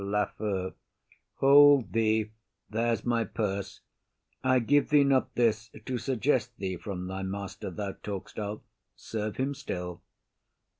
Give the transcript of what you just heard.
LAFEW. Hold thee, there's my purse. I give thee not this to suggest thee from thy master thou talk'st of; serve him still.